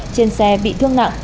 trên xe bị thương nặng